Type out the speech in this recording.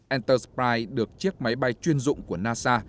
entersprite được chiếc máy bay chuyên dụng của nasa